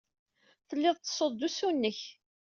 Tellid tettessud-d usu-nnek.